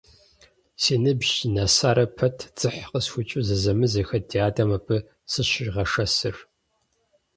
Си ныбжь нэсарэ пэт, дзыхь къысхуищӀу, зэзэмызэххэт ди адэм абы сыщигъэшэсыр.